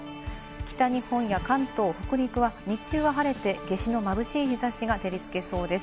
北日本や関東・北陸は日中は晴れて、夏至のまぶしい日差しが照りつけそうです。